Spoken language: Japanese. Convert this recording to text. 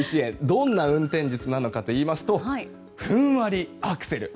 どんな運転術なのかといいますとふんわりアクセル。